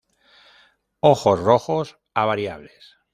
Ojos rojos a variables.